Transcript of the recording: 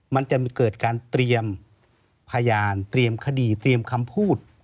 มันจะเกิดการเตรียมพยานเตรียมคดีเตรียมคำพูด